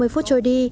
năm mươi phút trôi đi